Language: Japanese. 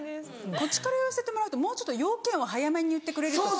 こっちから言わせてもらうともうちょっと要件を早めに言ってくれるとか。